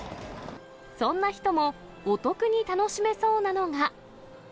そんな人も、お得に楽しめそうなのが。